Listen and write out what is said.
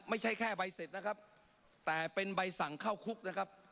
ไม่ใช่แค่ใบเสร็จนะครับแต่เป็นใบสั่งเข้าคุกนะครับ